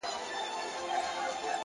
خپل ژوند له مانا ډک کړئ!